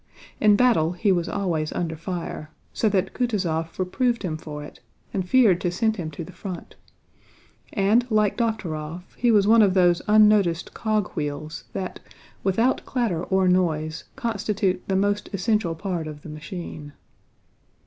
In battle he was always under fire, so that Kutúzov reproved him for it and feared to send him to the front, and like Dokhtúrov he was one of those unnoticed cogwheels that, without clatter or noise, constitute the most essential part of the machine.